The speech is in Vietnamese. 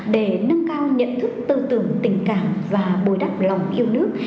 để nâng cao nhận thức tư tưởng tình cảm và bồi đắp lòng yêu nước